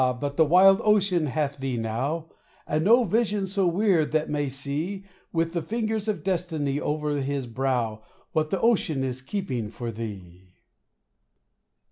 but the wild ocean hath thee now, And no vision so weird that may see, With the fingers of destiny over his brow, What the ocean is keeping for thee.